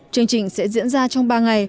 chương trình sẽ diễn ra trong ba ngày